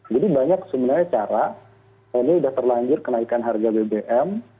jadi banyak sebenarnya cara ini sudah terlanjur kenaikan harga bbm